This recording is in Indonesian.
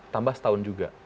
tambah setahun juga